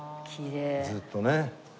ずーっとね。